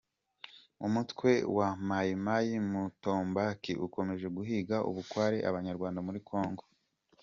Umutwe wa Mayi mayi Mutomboki ukomeje guhiga bukware Abanyarwanda muri kongo